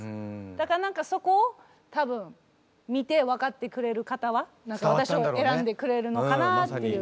だから何かそこを多分見て分かってくれる方は私を選んでくれるのかなっていう。